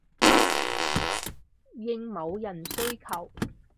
應某人需求